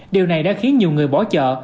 điều này đã khiến nhiều người bỏ chợ